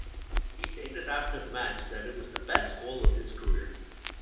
He stated after the match that it was the best goal of his career.